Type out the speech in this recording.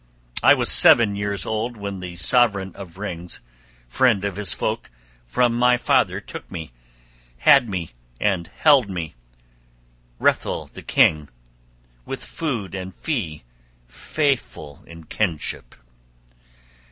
I was seven years old when the sovran of rings, friend of his folk, from my father took me, had me, and held me, Hrethel the king, with food and fee, faithful in kinship.